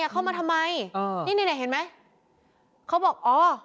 เข้ามาทำไมนี่นี่เห็นไหมเขาบอกอ๋อ